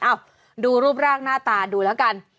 ดูรูปร่างหน้าตาดูแล้วกัน